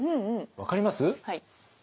分かります？